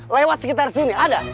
lewat sekitar sini ada